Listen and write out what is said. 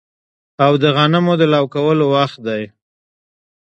او د غنمو د لو کولو وخت دی